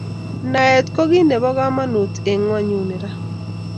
Naet ko kit nebo kamanut eng ngonyuni ra